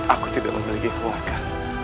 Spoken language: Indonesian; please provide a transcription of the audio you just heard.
aku tidak memiliki keluarga